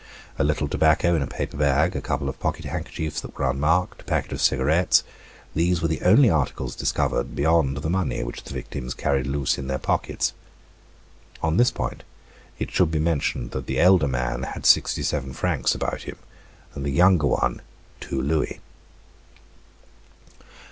A little tobacco in a paper bag, a couple of pocket handkerchiefs that were unmarked, a packet of cigarettes these were the only articles discovered beyond the money which the victims carried loose in their pockets. On this point, it should be mentioned that the elder man had sixty seven francs about him, and the younger one, two louis.